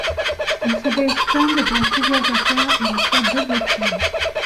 Il se distingue dans plusieurs affaires et reçoit deux blessures.